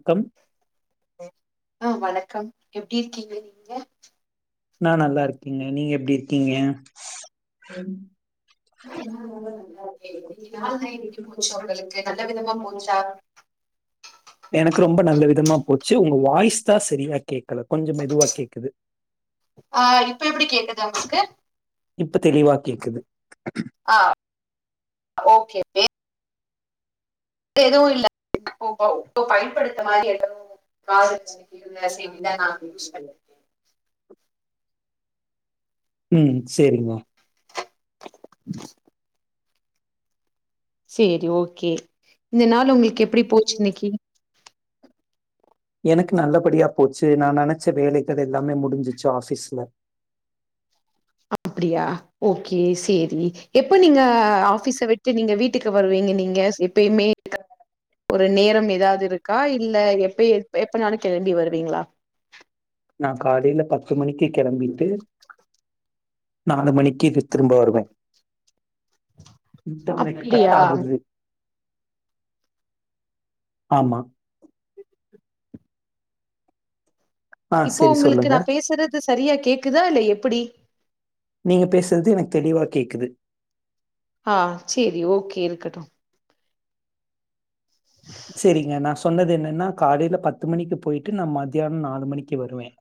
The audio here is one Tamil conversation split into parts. க்கம் ஆ வணக்கம் எப்படி இருக்கீங்க நீங்க நா நல்லா இருக்கேங்க நீங்க எப்படி இருக்கீங்க உம் இன்னைக்கு நா நல்லா நாள்லா எப்டி போச்சு இருக்கேங்க உங்களுக்கு நல்ல விதமா போச்சா [inaudible] எனக்கு ரொம்ப நல்ல விதமா போச்சு உங்க வாய்ஸ் தான் சரியா கேக்கல கொஞ்சம் மெதுவா கேக்குது ஆ இப்ப எப்படி கேக்குது உங்களுக்கு இப்ப தெளிவா கேக்குது ஆ ஓகே எதுவும் இல்ல [unintelligible] பயன்படுத்த மாதிரி எதோ [unintelligible] செய்திதான் நான் யூஸ் பண் ம் சேரிம்மா சேரி ஓகே இந்த நாள் உங்களுக்கு எப்படி போச்சு இன்னைக்கி எனக்கு நல்லபடியா போச்சு நா நெனைச்ச வேலைகள் எல்லாமே முடிஞ்சிச்சு ஆபீஸ்ல அப்படியா ஓகே சேரி எப்ப நீங்க ஆபீஸ விட்டு நீங்க வீட்டுக்கு வருவீங்க நீங்க எப்பயுமே ஒரு நேரம் ஏதாவது இருக்கா இல்ல எப்ப எப்பனாலும் கெளம்பி வருவீங்களா நா காலையில பத்து மணிக்கு கெளம்பிட்டு நாலு மணிக்கு திரும்ப வருவ இன்டர்நெட் கட் அப்டியா ஆகுது ஆமா ஆ இப்ப செரி உங்களுக்கு சொல்லுங்க நா பேசுறது சரியா கேக்குதா இல்ல எப்படி நீங்க பேசுறது எனக்கு தெளிவா கேக்குது ஆ சேரி ஓகே இருக்கட்டும் சேரிங்க நா சொன்னது என்னன்னா காலையில பத்து மணிக்கு போயிட்டு நா மதியானம் நாலு மணிக்கு வருவேன்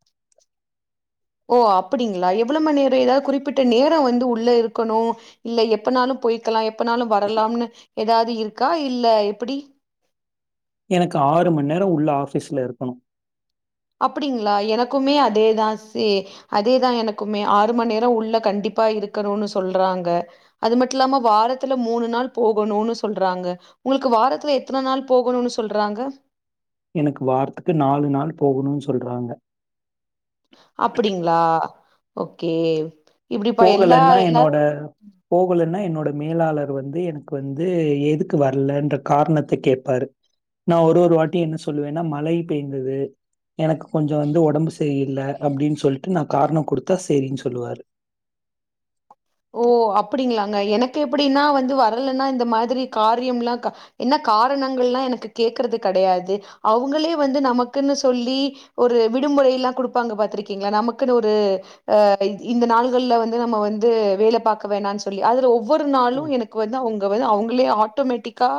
ஓ அப்படிங்களா எவ்வளோ மணி நேரம் ஏதாவது குறிப்பிட்ட நேரம் வந்து உள்ள இருக்கணும் இல்ல எப்பனாலும் போய்க்கலாம் எப்பனாலும் வரலாம்னு ஏதாவது இருக்கா இல்ல எப்படி எனக்கு ஆறு மண் நேரம் உள்ள ஆபீஸ்ல இருக்கணும் அப்படிங்களா எனக்குமே அதேதான் சே அதேதான் எனக்குமே ஆறு மண் நேரம் உள்ள கண்டிப்பா இருக்கணும்னு சொல்றாங்க அது மட்டும் இல்லாம வாரத்துல மூணு நாள் போகணும்ன்னு சொல்றாங்க உங்களுக்கு வாரத்துல எத்தன நாள் போகணும்னு சொல்றாங்க எனக்கு வாரத்துக்கு நாலு நாள் போகணு சொல்றாங்க அப்படிங்களா ஓகே இப்டிப்பா எல்லா போகலன்னா என்னோட எல்லாரும் போகலன்னா என்னோட மேலாளர் வந்து எனக்கு வந்து எதுக்கு வரலன்ற காரணத்த கேப்பாரு நா ஒரு ஒரு வாட்டி என்ன சொல்லுவேனா மழை பெய்ந்தது எனக்கு கொஞ்சோ வந்து ஒடம்பு செரியில்ல அப்டின்னு சொல்ட்டு நா காரணோ குடுத்தா செரின்னு சொல்லுவாரு ஓ அப்டிங்களாங்க எனக்கு எப்டினா வந்து வரலனா இந்த மாதிரி காரியம்லா க என்ன காரணங்கள்லா எனக்கு கேக்குறது கெடையாது அவுங்களே வந்து நமக்குன்னு சொல்லி ஒரு விடுமுறையிலா குடுப்பாங்க பாத்திருக்கீங்ளா நமக்குன்னு ஒரு அ இந்த நாள்கள்ல வந்து நம்ம வந்து வேல பாக்க வேணானு சொல்லி அதுல ஒவ்வொரு நாளு ம், எனக்கு வந்து அவுங்க வந்து அவங்களே ஆட்டோமேட்டிக்கா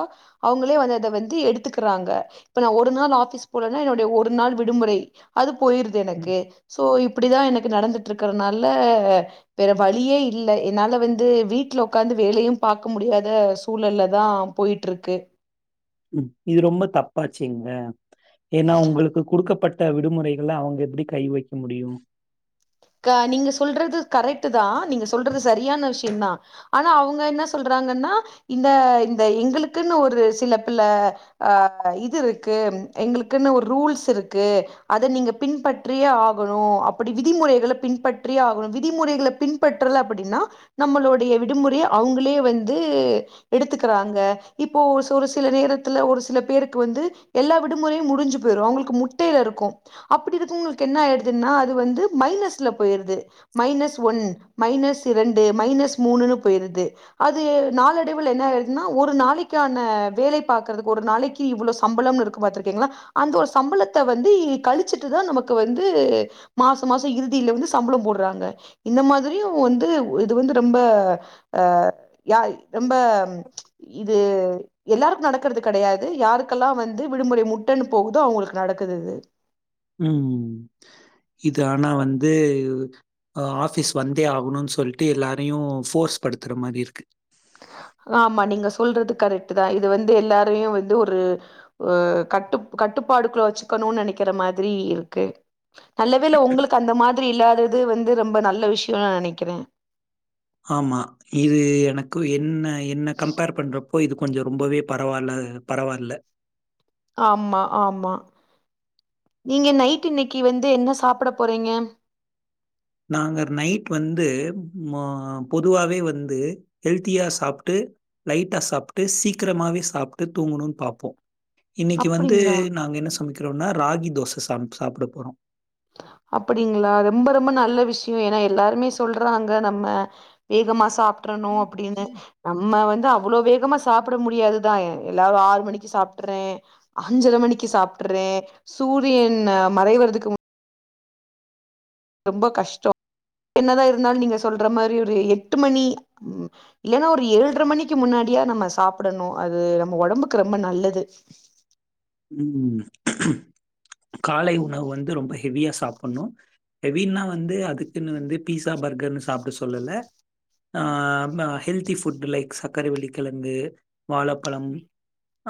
அவங்களே வந்து அத வந்து எடுத்துக்குறாங்க இப்ப நா ஒரு நாள் ஆபீஸ் போலன்னா என்னுடைய ஒரு நாள் விடுமுறை அது போயிரு து ம், எனக்கு சோ இப்டிதா எனக்கு நடந்துட்டு இருக்குறனால வேற வழியே இல்ல என்னால வந்து வீட்ல உக்காந்து வேலையு பாக்க முடியாத சூழல்லதா போயிட் இருக்கு ம் இது ரொம்ப தப்பாச்சேங்க ஏனா உங்களுக்கு குடுக்கப் பட்ட விடுமுறைகள அவங்க எப்டி கை வைக்க முடியும் கா நீங்க சொல்றது கரெக்டு தா நீங்க சொல்றது செரியான விஷ்யம் தா ஆனா அவங்க என்ன சொல்றாங்கனா இந்த இந்த எங்களுக்குனு ஒரு சில பில ஆ இது இருக்கு எங்களுக்குன்னு ஒர் ரூல்ஸ் இருக்கு அத நீங்க பின்பற்றியே ஆகணு அப்டி விதிமுறைகள பின்பற்றியே ஆகணு விதிமுறைகள பின்பற்றலே அப்டினா நம்மலோடைய விடுமுறைைய அவுங்களே வந்து எடுத்துக்கறாங்க இப்போ ஒர் ஒரு சில நேரத்துல ஒரு சிலபேருக்கு வந்து எல்லா விடுமுறையு முடுஞ்சு போயிரு அவங்களுக்கு முட்டையில இருக்கு அப்டி இருக்கவங்களுக்கு என்ன ஆயிடுதுன்னா அது வந்து மைனஸ்ல போயிடுது மைனஸ் ஒன் மைனஸ் இரண்டு மைனஸ் மூணுன்னு போயிருது அது நாளடைவில்ல என்ன ஆயிடுதுன்னா ஒரு நாளைக்கான வேலை பாக்றது ஒரு நாளைக்கு இவ்ளோ சம்பளம்னு இருக்கு பாத்துருக்கீங்ளா அந்த ஒரு சம்பளத்த வந்து கழிச்சுட்டுதா நமக்கு வந்து மாசோ மாசோ இரு ல வந்து சம்பளலோ போடுறாங்க இந்த மாதிரியு வந்து இது வந்து ரொம்ப ஆ யாய் ரொம்ப இது எல்லாருக்கு நடக்கறது கெடையாது யாருக்கெல்லா வந்து விடுமுறை முட்டனு போகுதோ அவங்களுக்கு நடக்குது இது ம் ம் இது ஆனா வந்து ஆஃபிஸ் வந்தே ஆகணும்னு சொல்ட்டு எல்லாரையு ஃபோர்ஸ் படுத்துற மாரி இருக்கு ஆமா நீங்க சொல்றது கரெக்டு தா இது வந்து எல்லாரையு வந்து ஒரு அ கட்டு கட்டுப்பாடுக்குள்ள வெச்சுக்கணு நெனைக்கிற மாதிரி இருக்கு நல்லவேல உங்ளுக்கு அந்த மாதிரி இல்லாதது வந்து ரொம்ப நல்ல விஷ்யோனு நா நெனைக்கிறே ஆமா இது எனக்கு என்ன என்ன கம்பேர் பண்றப் போ இது கொஞ்சோ ரொம்பவே பரவாயில்ல பரவால்ல ஆமா ஆமா நீங்க நைட்டு இன்னைக்கு வந்து என்ன சாப்ட போறீங்க நாங்க நைட்டு வந்து மா பொதுவாவே வந்து ஹெல்தியா சாப்டு லைட்டா சாப்டு சீக்கிரமாவே சாப்டு தூங்கணுனு பாப்போ இன்னைக்கு வந்து அப்டிங்களா நாங்க என்ன சமைக்கிறோனா ராகி தோச சா சமச்சு சாப்ட போறோ அப்டிங்களா ரொம்ப ரொம்ப நல்ல விஷ்யோ ஏனா எல்லாருமே சொல்றாங்க நம்ம வேகமா சாப்டுறனு அப்டினு நம்ம வந்து அவ்ளோ வேகமா சாப்ட முடியாதுதா எல்லாரு ஆறு மணிக்கு சாப்டுற்றே அஞ்சர மணிக்கு சாப்டுறே சூரியன் மறைவறதுக்கு மு ரொம்ப கஷ்டோ என்னதா இருந்தாலு நீங்க சொல்ற மாரி ஒரு எட்டு மணி இல்லனா ஒரு ஏழ்ர மணிக்கு முன்னாடியா நம்ம சாப்டணு அது நம்ம ஒடம்புக்கு ரொம்ப நல்லது ம் காலை உணவு வந்து ரொம்ப ஹெவியா சாப்பட்ணு ஹெவின்னா வந்து அதுக்குன்னு வந்து பீஸா பர்கர்ன்னு சாப்ட சொல்லல அ ம ஹெல்த்தி ஃபுட் லைக் சர்க்கரைவள்ளிக்கிழங்கு வாழப்பழம்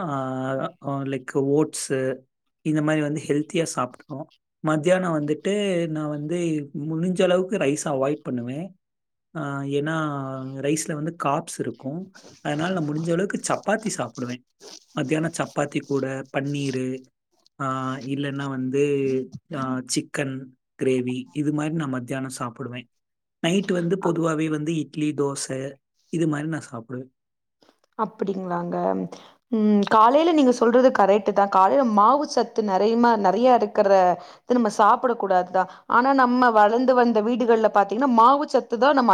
ஆ லைக் ஓட்ஸு இந்த மாரி வந்து ஹெல்த்தியா சாப்டுக்னு மத்யானோ வந்துட்டு நா வந்து முழுஞ்ச அளவுக்கு ரைஸ் அவாய்ட் பண்ணுவ அ ஏனா ரைஸ்ல வந்து காப்ஸ் இருக்கு அதனால நா முடிஞ்ச அளவுக்கு சப்பாத்தி சாப்டுவே மத்யானோ சப்பாத்தி கூட பன்னீரு ஆ இல்லைன்னா வந்து ஆ சிக்கன் கிரேவி இது மாரி நா மத்யானோ சாப்புடுவே நைட்டு வந்து பொதுவாவே வந்து இட்லி தோச இது மாரி நா சாப்டுவ அப்டிங்ளாங்க ம் காலைல நீங்க சொல்றது கரெட்டுதா காலை மாவு சத்து நெறையமா நெறைய இருக்கற ந்து நம்ம சாப்புடக்கூடாதுதா ஆனா நம்ம வளந்து வந்த வீடுகள்ல பாத்தீங்ன்னா மாவு சத்து தா நம்ம